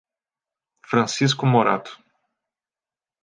Francisco Morato